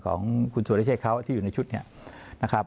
ของคุณสุรเชษเขาที่อยู่ในชุดเนี่ยนะครับ